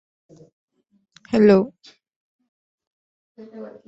Samuel Stephens succeeded him as governor.